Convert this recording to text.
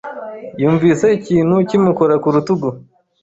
Yumvise ikintu kimukora ku rutugu.